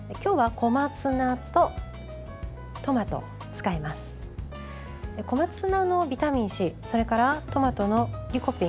小松菜のビタミンＣそれからトマトのリコピン